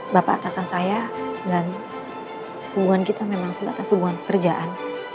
bapak atasan saya dan hubungan kita memang sebatas hubungan kerjaan